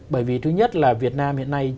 bởi vì thứ nhất là việt nam hiện nay